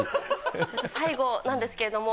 最後なんですけれども。